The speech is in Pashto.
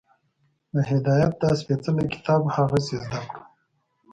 د هدایت دا سپېڅلی کتاب هغسې زده کړو